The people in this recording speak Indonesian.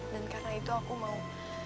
dan karena itu aku mau